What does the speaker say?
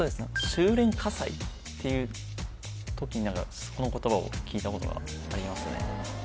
収斂火災っていう時にこの言葉を聞いたことがありますね